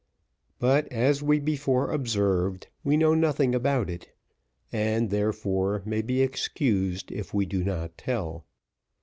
But, as we before observed, we know nothing about it; and, therefore, may be excused if we do not tell.